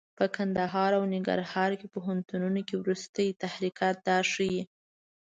په کندهار او ننګرهار پوهنتونونو کې وروستي تحرکات دا ښيي.